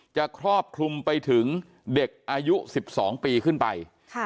ครอบคลุมไปถึงเด็กอายุ๑๒ปีขึ้นไป